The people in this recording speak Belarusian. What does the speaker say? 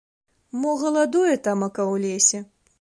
Мо галадуе тамака ў лесе?